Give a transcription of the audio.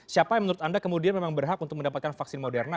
siapa yang menurut anda kemudian memang berhak untuk mendapatkan vaksin moderna